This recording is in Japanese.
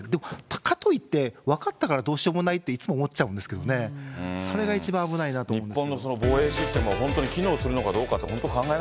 かといって、分かったからどうしようもないって、いつも思っちゃうんですけどね、それが一番危ないなと思いますけど。